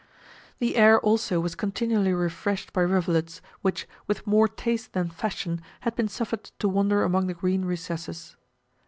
The air also was continually refreshed by rivulets, which, with more taste than fashion, had been suffered to wander among the green recesses.